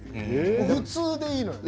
普通でいいのよ。